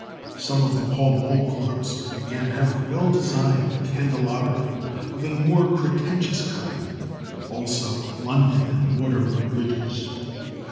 Some of the Pall Mall Clubs, again, have well designed candelabra of a more pretentious kind; also London and Waterloo Bridges.